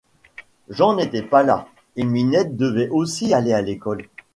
Jean n’était pas là et Ninette devait aussi aller à l’école.